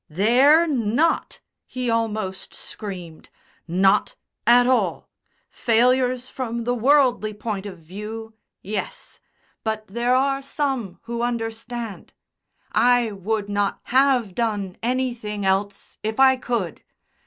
"They're not!" he almost screamed. "Not at all. Failures, from the worldly point of view, yes; but there are some who understand. I would not have done anything else if I could.